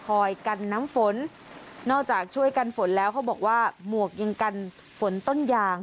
กันน้ำฝนนอกจากช่วยกันฝนแล้วเขาบอกว่าหมวกยังกันฝนต้นยาง